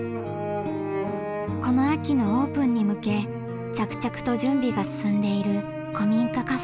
この秋のオープンに向け着々と準備が進んでいる古民家カフェ。